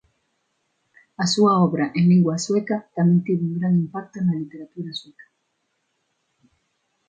A súa obra en lingua sueca tamén tivo un gran impacto na literatura sueca.